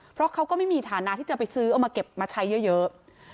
เพราะเขาก็ไม่มีฐานะที่จะไปซื้อเอามาเก็บมาใช้เยอะ